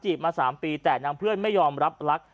ชาวบ้านญาติโปรดแค้นไปดูภาพบรรยากาศขณะ